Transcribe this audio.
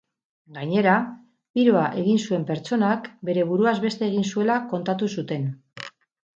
Gainera, tiroa egin zuen pertsonak bere buruaz beste egin zuela kontatu zuten.